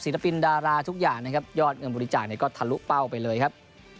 ศิลปินดาราทุกอย่างนะครับยอดเงินบริจาคก็ทะลุเป้าไปเลยครับ